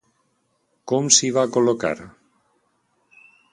Com s'hi va col·locar?